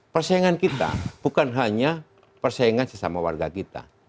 persaingan kita bukan hanya persaingan sesama warga kita